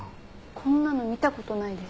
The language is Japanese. こんなの見た事ないです。